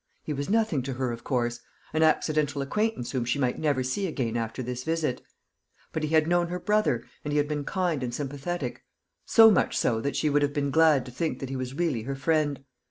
He was nothing to her, of course; an accidental acquaintance whom she might never see again after this visit; but he had known her brother, and he had been kind and sympathetic so much so, that she would have been glad to think that he was really her friend.